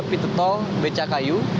pintu tol becakayu